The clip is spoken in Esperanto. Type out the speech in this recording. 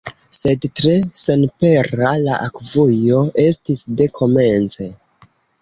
Sed tre senpera la akvujo estis de komence.